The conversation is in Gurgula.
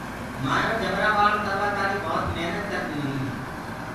مآيونٚ جبرآ ٻآݪ ڪروآ تآڻيٚ ڀوت محنت ڪرديو هينٚ۔